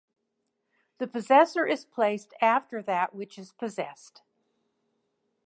The possessor is placed after that which is possessed.